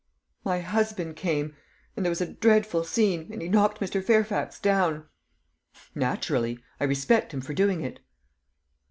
"My husband came, and there was a dreadful scene, and he knocked Mr. Fairfax down." "Naturally. I respect him for doing it."